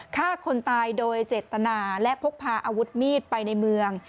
ฆ่าคนตายโดยเจตนาและพกพาอาวุธมีดไปในเมือง